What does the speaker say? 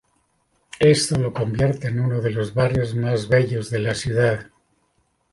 Esto lo convierte en uno de los barrios más bellos de la ciudad.